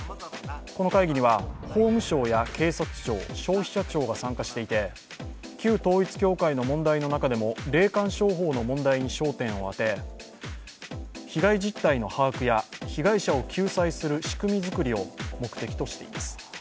この会議には法務省や警察庁、消費者庁が参加していて、旧統一教会の問題の中でも霊感商法の問題に焦点を当て被害実態の把握や被害者を救済する仕組み作りを目的としています。